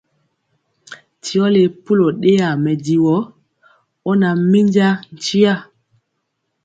Ti ɔ le pulɔ ɗeyaa mɛdivɔ, ɔ na minja nkya.